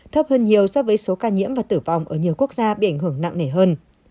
thấp hơn nhiều so với số ca nhiễm và tử vong ở nhiều quốc gia bị ảnh hưởng nặng nề hơn